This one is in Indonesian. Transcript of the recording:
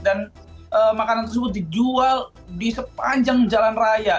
dan makanan tersebut dijual di sepanjang jalan raya